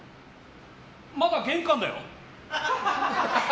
まだ玄関だよ。